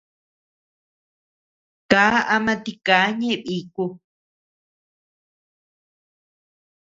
Kaa ama tika ñeʼe biku.